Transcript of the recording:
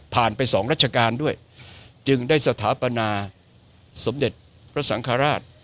ไปสองราชการด้วยจึงได้สถาปนาสมเด็จพระสังฆราช